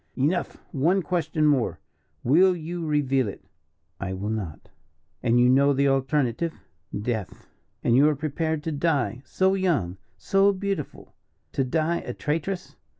"Enough. One question more will you reveal it?" "I will not." "And you know the alternative?" "Death!" "And you are prepared to die so young, so beautiful, to die a traitress?"